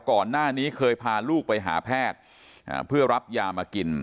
ก่อนหน้านี้เคยพาลูกไปหาแพทย์เพื่อรับยามากิน